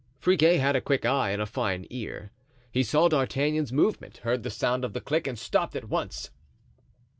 Friquet had a quick eye and a fine ear. He saw D'Artagnan's movement, heard the sound of the click, and stopped at once.